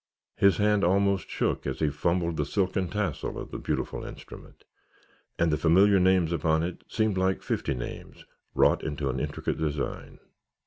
His hand almost shook as he fumbled the silken tassel of the beautiful instrument, and the familiar names upon it seemed like fifty names wrought into an intricate design.